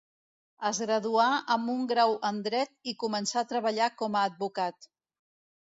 Es graduà amb un grau en dret i començà a treballar com a advocat.